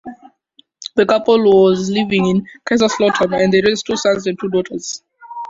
The couple was living in Kaiserslautern and they raised two sons and two daughters.